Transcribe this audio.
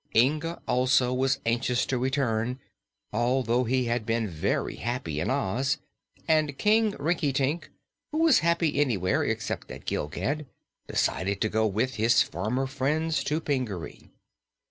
Inga also was anxious to return, although he had been very happy in Oz, and King Rinkitink, who was happy anywhere except at Gilgad, decided to go with his former friends to Pingaree.